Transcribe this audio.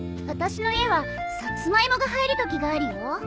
私の家はサツマイモが入るときがあるよ。